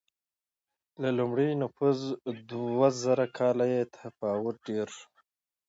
له لومړي نفوذ وروسته دوه زره کاله کې تلفات ډېر شول.